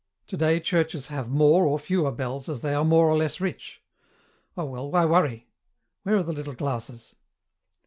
Today churches have more or fewer bells as they are more or less rich.... Oh, well, why worry? Where are the little glasses?"